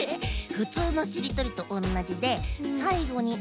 ふつうのしりとりとおんなじでさいごに「ん」がついてもまけ。